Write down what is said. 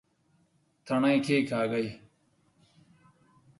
تڼي کېکاږئ